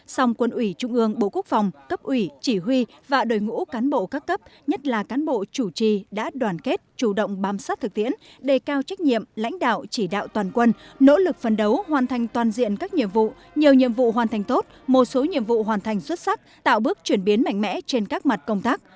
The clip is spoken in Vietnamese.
sòng quân ủy trung ương bộ quốc phòng cấp ủy chỉ huy và đội ngũ cán bộ các cấp nhất là cán bộ chủ trì đã đoàn kết chủ động bám sát thực tiễn đề cao trách nhiệm lãnh đạo chỉ đạo toàn quân nỗ lực phấn đấu hoàn thành toàn diện các nhiệm vụ nhiều nhiệm vụ hoàn thành tốt một số nhiệm vụ hoàn thành xuất sắc tạo bước chuyển biến mạnh mẽ trên các mặt công tác